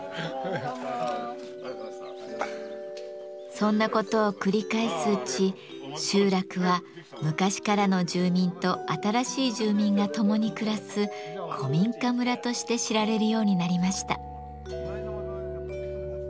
そんなことを繰り返すうち集落は昔からの住民と新しい住民が共に暮らす古民家村として知られるようになりました。